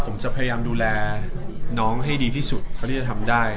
ผมจะพยายามดูแลน้องให้ดีที่สุดเท่าที่จะทำได้